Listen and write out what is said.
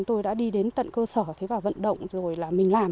tôi đã đi đến tận cơ sở và vận động rồi là mình làm